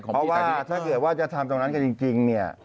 เพราะว่าถ้าเกิดว่าจะทำตรงนั้นกันจริงเนี่ย